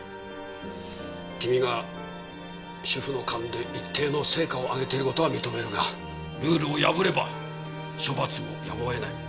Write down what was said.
君が主婦の勘で一定の成果を上げている事は認めるがルールを破れば処罰もやむを得ない。